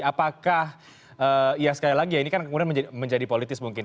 apakah ya sekali lagi ya ini kan kemudian menjadi politis mungkin